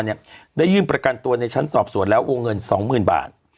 จึงประกันตัวในชั้นสอบสวนแล้วโอเงินสองหมื่นบาท